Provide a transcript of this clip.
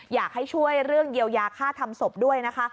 อยากให้ช่วยเรื่องเยียวยาค่าทำศพด้วยนะคะ